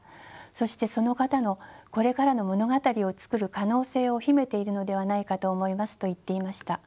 そしてその方のこれからの物語をつくる可能性を秘めているのではないかと思います」と言っていました。